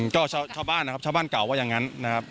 ก็ชาวบ้านนะครับชาวบ้านเก่าว่าอย่างนั้นนะครับ